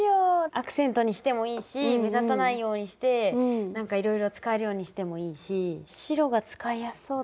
アクセントにしてもいいし目立たないようにしてなんかいろいろ使えるようにしてもいいし白が使いやすそうだな。